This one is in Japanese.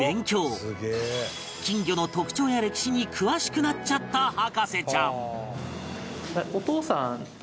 金魚の特徴や歴史に詳しくなっちゃった博士ちゃん